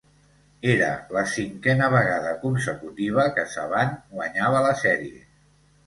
Era la cinquena vegada consecutiva que Saban guanyava la sèrie.